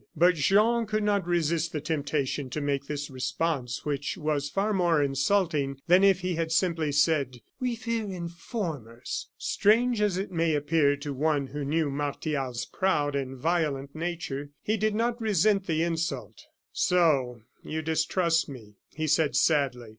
But Jean could not resist the temptation to make this response, which was far more insulting than if he had simply said: "We fear informers!" Strange as it may appear to one who knew Martial's proud and violent nature, he did not resent the insult. "So you distrust me!" he said, sadly.